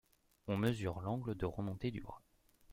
On mesure l’angle de remontée du bras.